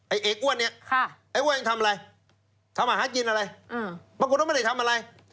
เออ้วนเนี่ยไอ้อ้วนยังทำอะไรทำอาหารกินอะไรปรากฏว่าไม่ได้ทำอะไร